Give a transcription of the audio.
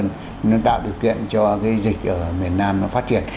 nó tạo điều kiện cho cái dịch ở miền nam nó phát triển